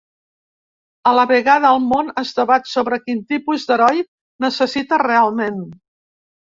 A la vegada el món es debat sobre quin tipus d’heroi necessita realment.